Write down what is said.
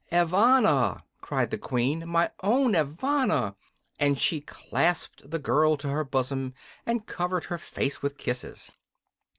"Evanna!" cried the Queen, "my own Evanna!" and she clasped the girl to her bosom and covered her face with kisses.